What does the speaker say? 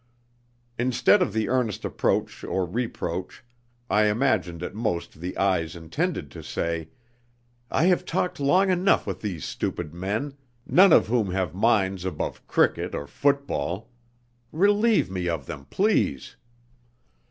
Instead of the earnest appeal or reproach, I imagined at most the eyes intended to say, "I have talked long enough with these stupid men, none of whom have minds above cricket or football. Relieve me of them, please."